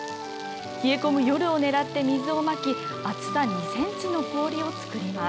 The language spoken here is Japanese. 冷え込む夜をねらって水をまき、厚さ２センチの氷を作ります。